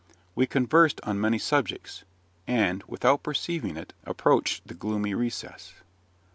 We conversed on many subjects, and, without perceiving it, approached the gloomy recess.